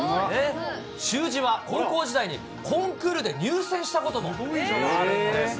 習字は高校時代にコンクールで入選したことも。